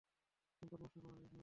বদমাশটা তোমাকে কিছু বলেছে?